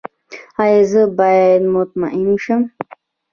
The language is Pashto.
ایا زه باید مطمئن شم؟